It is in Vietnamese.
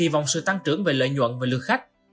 kỳ vọng sự tăng trưởng về lợi nhuận và lượng khách